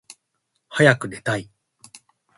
はやくねたい